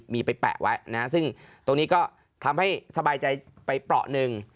มีไปแปะไว้นะฮะซึ่งตรงนี้ก็ทำให้สบายใจไปเปราะหนึ่ง